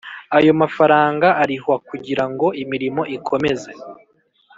Ayo mafaranga arihwa kugira ngo imirimo ikomeze